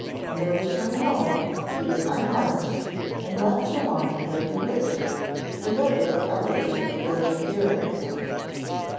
On their return home he was unharnessed, and left to wander where he wished, for nobody ever dreamed of interfering with him.